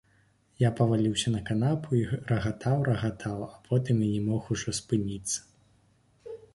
Я паваліўся на канапу і рагатаў, рагатаў, а потым і не мог ужо спыніцца.